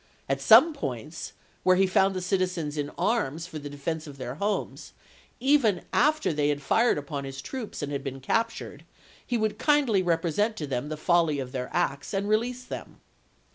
At some points, where he found the citizens in arms for the defense of their homes, even after they had fired upon his troops and had been captured, he would kindly represent to them the folly of their acts and release them.